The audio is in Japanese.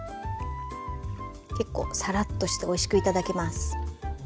結構サラッとしておいしく頂けます。